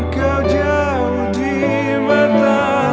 kau jauh di mata